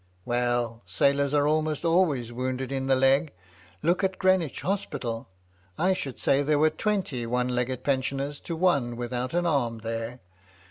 "Well, sailors are almost always wounded in the leg. Look at Greenwich Hospital ! I should say there were twenty one legged pensioners to one without an arm there.